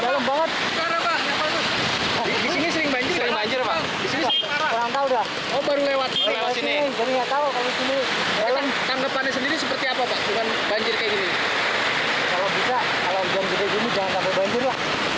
kalau bisa kalau jam tujuh jangan sampai banjir lah